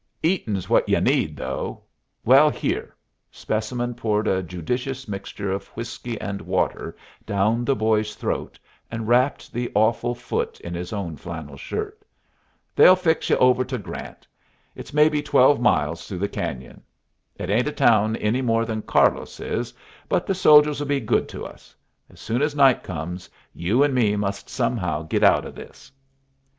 "Eatin's what y'u need, though. Well, here." Specimen poured a judicious mixture of whiskey and water down the boy's throat, and wrapped the awful foot in his own flannel shirt. "They'll fix y'u over to Grant. It's maybe twelve miles through the cañon. It ain't a town any more than Carlos is, but the soldiers'll be good to us. As soon as night comes you and me must somehow git out of this."